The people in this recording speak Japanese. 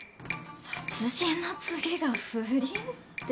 殺人の次が不倫って。